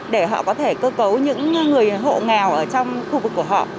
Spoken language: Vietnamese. để họ có thể cơ cấu những người hộ nghèo ở trong khu vực của họ